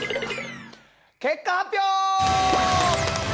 結果発表！